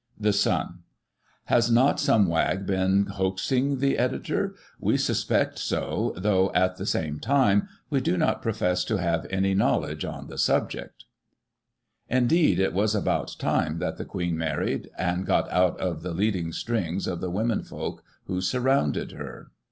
— The Sun. Has not some wag been hoaxing the editor? We suspect so, though, at the same time, we do not profess to have any knowledge on the subject." Indeed, it was about time that the Queen married, and got out of the leading strings of the women folk who sur rounded her.